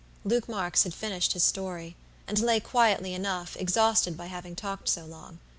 Luke Marks had finished his story, and lay quietly enough, exhausted by having talked so long.